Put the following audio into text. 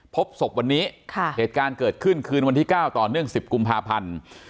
พบศพวันนี้เหตุการณ์เกิดขึ้นคืนวันที่๙ต่อเนื่อง๑๐กุมภาพันธ์